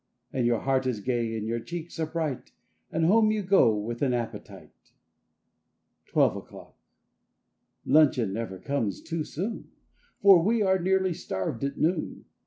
And your heart is gay and your cheeks are bright— And home you go with an appetite! 21 ELEVEN O'CLOCK 23 TWELVE O'CLOCK 1 UNCHEON never comes too soon, J Eor we are nearly starved at noon!